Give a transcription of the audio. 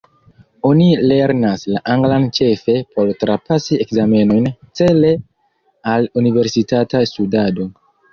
Oni lernas la anglan ĉefe por trapasi ekzamenojn cele al universitata studado.